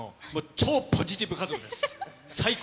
超ポジティブ家族です。